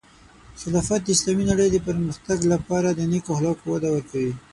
خلافت د اسلامی نړۍ د پرمختګ لپاره د نیکو اخلاقو وده ورکوي.